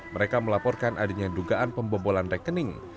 mereka melaporkan adanya dugaan pembobolan rekening